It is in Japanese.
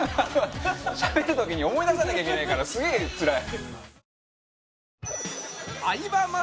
しゃべる時に思い出さなきゃいけないからすげえつらい。